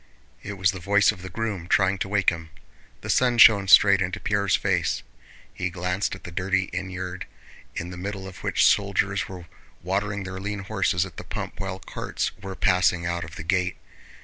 It was the voice of the groom, trying to wake him. The sun shone straight into Pierre's face. He glanced at the dirty innyard in the middle of which soldiers were watering their lean horses at the pump while carts were passing out of the gate.